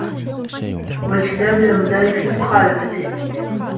وَاجْتِنَاءِ الْأَوْزَارِ فِي مُخَالَفَتِهِ